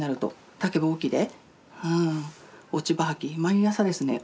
毎朝ですね。